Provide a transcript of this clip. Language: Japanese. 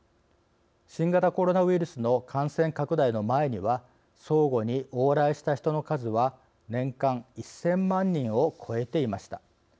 新型コロナウイルスの感染拡大の前には相互に往来した人の数は年間１０００万人を超えていました。